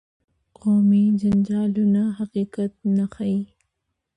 قومي جنجالونه حقیقت نه ښيي.